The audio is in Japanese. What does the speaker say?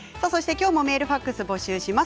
きょうもメールファックスを募集します。